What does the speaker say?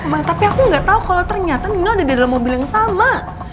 tapi aku nggak tahu kalau ternyata nino ada di dalam mobil yang sama